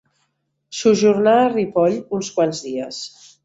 Sojornà a Ripoll uns quants dies.